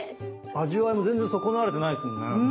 味は全然損なわれてないですもんね。